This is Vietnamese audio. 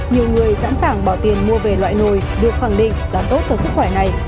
nhiều người sẵn sàng bỏ tiền mua về loại nồi được khẳng định làm tốt cho sức khỏe này